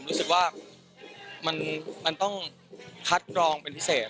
รู้สึกว่ามันต้องคัดกรองเป็นพิเศษ